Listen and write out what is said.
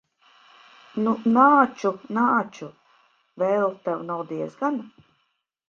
Nu, nāču, nāču. Vēl tev nav diezgan.